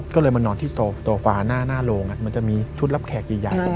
ก็เลยมานอนที่โซฟาหน้าโรงมันจะมีชุดรับแขกใหญ่